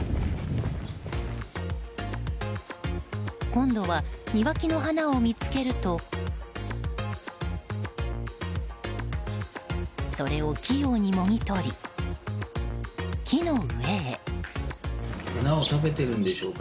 今度は庭木の花を見つけるとそれを器用にもぎ取り木の上へ。